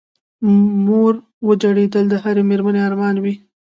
مور جوړېدل د هرې مېرمنې ارمان وي